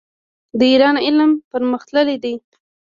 د ایران علم پرمختللی دی.